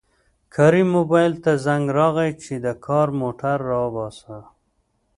کاري موبایل ته زنګ راغی چې د کار موټر راوباسه